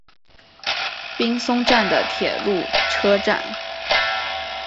滨松站的铁路车站。